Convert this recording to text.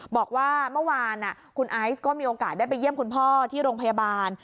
บอกว่าเมื่อวานคุณไอซ์ก็มีโอกาสได้ไปเยี่ยมคุณพ่อที่โรงพยาบาล